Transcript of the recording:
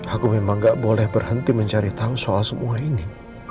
aku memang gak boleh berhenti mencari tahu soal semua ini